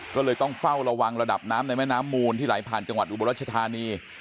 ก็เลยต้องเฝ้าระวังระดับน้ำในแม่น้ำมูลที่ไหลผ่านจังหวัดอุบลรัชธานี